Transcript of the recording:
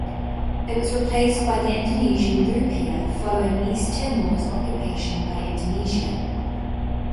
It was replaced by the Indonesian rupiah following East Timor's occupation by Indonesia.